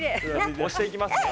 押していきますね。